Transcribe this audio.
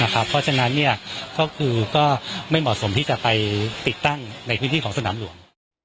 เพราะฉะนั้นก็คือก็ไม่เหมาะสมที่จะไปติดตั้งในพื้นที่ของสนามหลวง